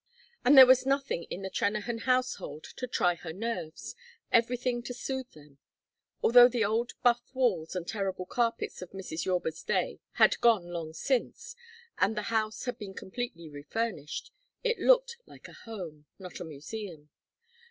And there was nothing in the Trennahan household to try her nerves, everything to soothe them. Although the old buff walls and terrible carpets of Mrs. Yorba's day had gone long since and the house had been completely refurnished, it looked like a home, not a museum.